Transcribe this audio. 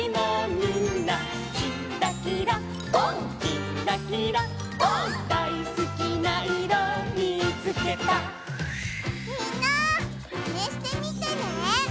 みんなマネしてみてね！